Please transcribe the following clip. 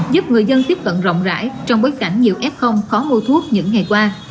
giúp người dân tiếp cận rộng rãi trong bối cảnh nhiều f khó mua thuốc những ngày qua